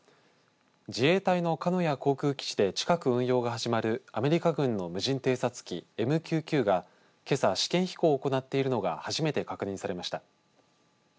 自衛隊の鹿屋航空基地で近く運用が始まるアメリカ軍の無人偵察機ＭＱ９がけさ、試験飛行を行っているのが初めて確認されました。